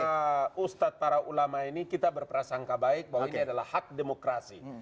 jadi saya berdoa kepada ustadz para ulama ini kita berperasangka baik bahwa ini adalah hak demokrasi